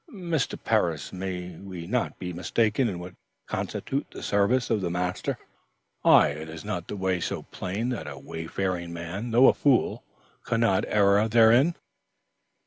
"Mr. Parris, may we not be mistaken in what constitutes the service of the Master?" "Aye! Is not the way so plain that a wayfaring man, though a fool, cannot err therein?"